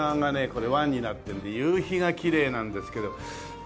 これ湾になってるんで夕日がきれいなんですけどちょっとね